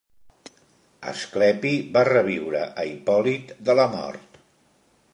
Asclepi va reviure a Hipòlit de la mort.